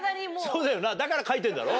そうだよなだから書いてんだろ？